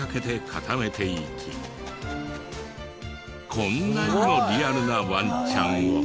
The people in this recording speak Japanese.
こんなにもリアルなワンちゃんを。